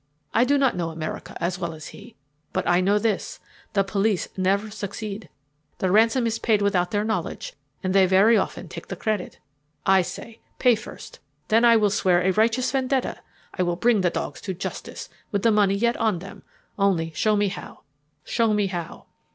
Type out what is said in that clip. I do not know America as well as he, but I know this: the police never succeed the ransom is paid without their knowledge, and they very often take the credit. I say, pay first, then I will swear a righteous vendetta I will bring the dogs to justice with the money yet on them. Only show me how, show me how."